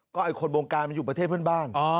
ไอ้คนวงการมันอยู่ประเทศเพื่อนบ้าน